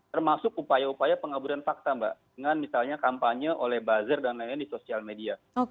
termasuk upaya upaya pengaburan fakta mbak dengan misalnya kampanye oleh buzzer dan lain lain di sosial media